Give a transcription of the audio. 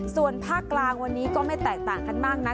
ส่วนภาคกลางวันนี้ก็ไม่แตกต่างกันมากนัก